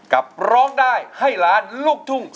กับร้องดายให้ร้านลูกถุง